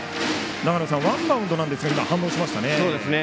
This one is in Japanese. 長野さん、ワンバウンドですが反応しましたね。